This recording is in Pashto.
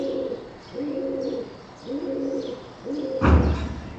کتل د فطرت زده کړه ده